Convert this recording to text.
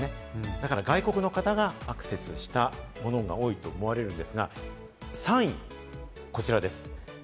だから外国の方がアクセスしたものが多いと思われるんですが、３位はこちらです。